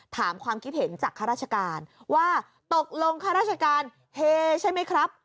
ถามความคิดเห็นจากข้าราชการว่าตกลงข้าราชการเฮใช่ไหมครับ